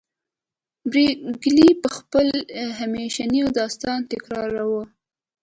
پريګلې به خپل همیشنی داستان تکراروه